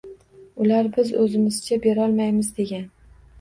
Ular biz o‘zimizcha berolmaymiz degan